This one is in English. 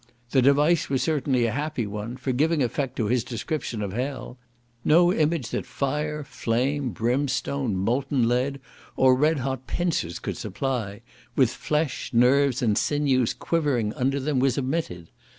The device was certainly a happy one for giving effect to his description of hell. No image that fire, flame, brimestone, molten lead, or red hot pincers could supply; with flesh, nerves, and sinews quivering under them, was omitted.